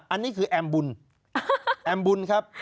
อันนี้คือแอมบุญแอมบุญครับ